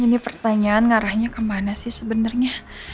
ini pertanyaan ngarahnya kemana sih sebenarnya